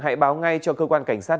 hãy báo ngay cho cơ quan cảnh sát